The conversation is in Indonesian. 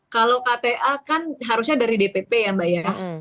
kalau kta kan harusnya dari dpp ya mbak ya